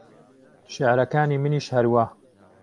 شێعرەکانی منیش هەروا